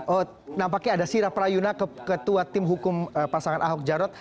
oh nampaknya ada sira prayuna ketua tim hukum pasangan ahok jarot